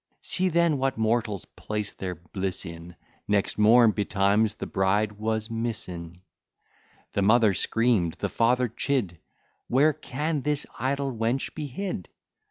See then what mortals place their bliss in! Next morn betimes the bride was missing: The mother scream'd, the father chid; Where can this idle wench be hid?